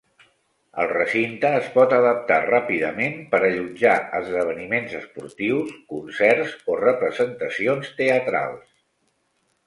El recinte es pot adaptar ràpidament per allotjar esdeveniments esportius, concerts o representacions teatrals.